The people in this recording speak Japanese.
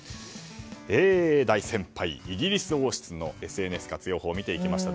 大先輩、イギリス王室のＳＮＳ活用法を見てきました。